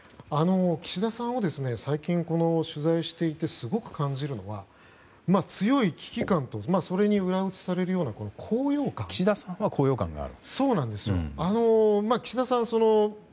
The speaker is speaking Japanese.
岸田さんを最近取材していてすごく感じるのは強い危機感とそれに裏打ちされるような岸田さんは高揚感がある？